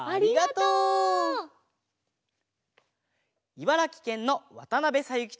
いばらきけんのわたなべさゆき